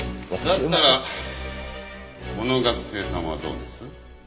だったらこの学生さんはどうです？